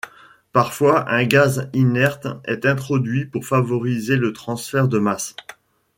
Parfois, un gaz inerte est introduit pour favoriser le transfert de masse.